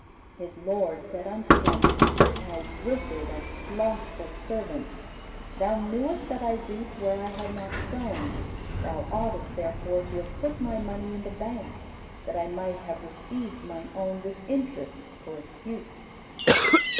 His lord said unto him, "Thou wicked and slothful servant. Thou knewest that I reaped where I had not sown; thou oughtest therefore to have put my money in the bank, that I might have received mine own with interest for its use.